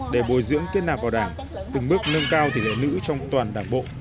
để bồi dưỡng kết nạp vào đảng từng bước nâng cao tỷ lệ nữ trong toàn đảng bộ